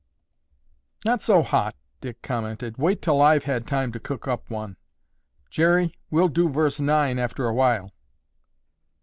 "Not so hot!" Dick commented. "Wait till I've had time to cook up one. Jerry, we'll do Verse Nine after awhile."